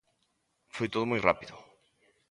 Foi todo moi rápido.